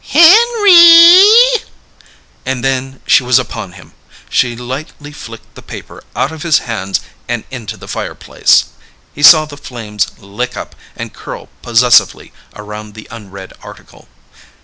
"Henrrreee!" And then she was upon him. She lightly flicked the paper out of his hands and into the fireplace. He saw the flames lick up and curl possessively around the unread article.